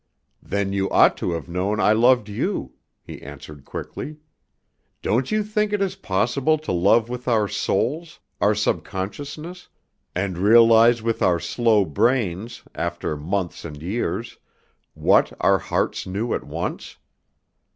"Then you ought to have known I loved you," he answered quickly. "Don't you think it is possible to love with our souls, our subconsciousness, and realize with our slow brains, after months and years, what our hearts knew at once?